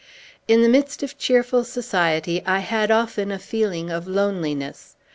In the midst of cheerful society, I had often a feeling of loneliness.